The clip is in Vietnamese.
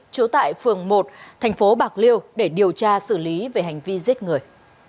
trú tại phường một thành phố bạc liêu để điều tra xử lý về hành vi giết người